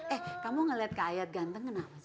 eh kamu ngeliat kak ayat ganteng kenapa sih